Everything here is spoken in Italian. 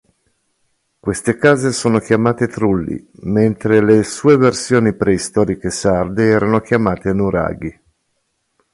Queste case sono chiamate trulli mentre le sue versioni preistoriche sarde erano chiamate nuraghi.